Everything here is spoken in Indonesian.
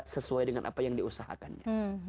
sesuai dengan apa yang diusahakannya